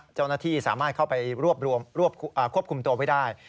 เจ้าหน้าที่สามารถเข้าไปควบคุมตัวไว้ได้